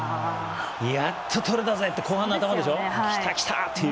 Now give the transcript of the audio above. やっと取れたぜって後半、半ばでしょ。